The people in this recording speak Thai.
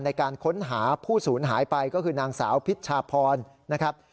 ในการค้นหาผู้สูญหายไปก็คือนางสาวพิชชาพรนะครับ